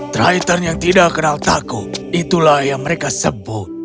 triter yang tidak kenal takut itulah yang mereka sebut